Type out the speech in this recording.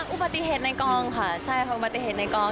อุปฏิเหตุในกล่องค่ะใช่ค่ะอุปฏิเหตุในกล่อง